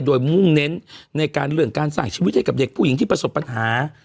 โดยมุ่งเน้นในการเรื่องการใส่ชีวิตให้กับเด็กผู้หญิงที่ประสบปัญหา